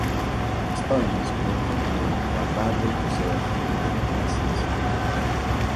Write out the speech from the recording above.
The stones were accompanied by badly preserved wooden pieces.